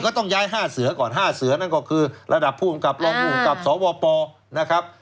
ก็ต้องย้าย๕เสือก่อน๕เสือนั่นก็คือระดับผู้กำกับรองภูมิกับสวปนะครับ